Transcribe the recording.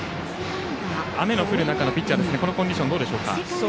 雨の降る中のピッチャーコンディションはどうでしょうか。